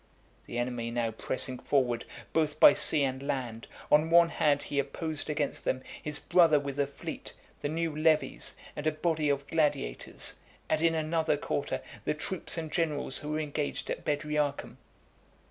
The enemy now pressing forward both by sea and land, on one hand he opposed against them his brother with a fleet, the new levies, and a body of gladiators, and in another quarter the troops and generals who were engaged at Bedriacum.